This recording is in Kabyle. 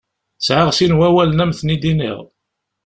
Sεiɣ sin wawalen ad m-ten-id-iniɣ.